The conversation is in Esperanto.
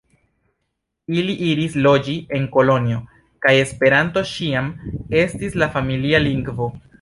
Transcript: Ili iris loĝi en Kolonjo kaj Esperanto ĉiam estis la familia lingvo.